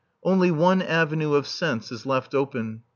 Only one avenue of sense is left open.